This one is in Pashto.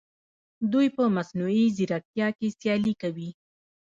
دوی په مصنوعي ځیرکتیا کې سیالي کوي.